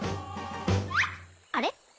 あれ？